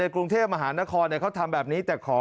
ในกรุงเทพมหานครเขาทำแบบนี้